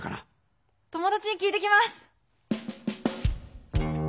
友だちに聞いてきます。